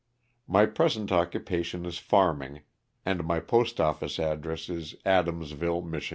My present occupation is farming, and my post office address is Adamsville, Mich.